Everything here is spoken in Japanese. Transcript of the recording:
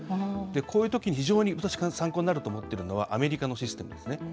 こういうときに私が非常に参考になると思っているのはアメリカのシステムですね。